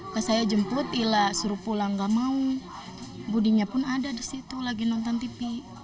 pas saya jemput ila suruh pulang gak mau budinya pun ada di situ lagi nonton tv